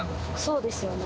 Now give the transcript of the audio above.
そうですよね。